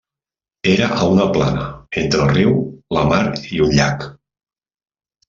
Era a una plana entre el riu, la mar i un llac.